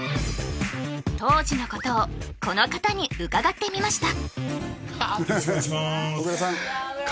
当時のことをこの方に伺ってみました！